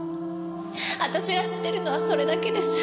私が知ってるのはそれだけです。